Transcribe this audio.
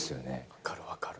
分かる分かる。